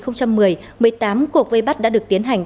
năm hai nghìn một mươi một mươi tám cuộc vây bắt đã được tiến hành